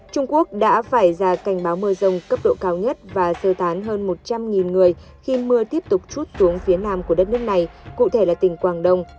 trung quốc đã phải ra cảnh báo mưa rông cấp độ cao nhất và sơ tán hơn một trăm linh người khi mưa tiếp tục chút xuống phía nam của đất nước này cụ thể là tỉnh quảng đông